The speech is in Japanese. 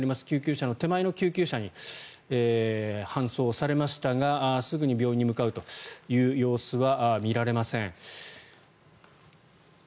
救急車の手前の救急車に搬送されましたがすぐに病院に向かうという様子は見られません。